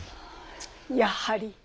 やはり。